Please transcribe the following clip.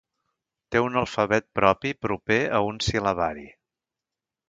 Té un alfabet propi proper a un sil·labari.